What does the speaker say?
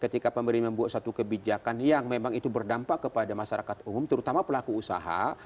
ketika pemerintah membuat satu kebijakan yang memang itu berdampak kepada masyarakat umum terutama pelaku usaha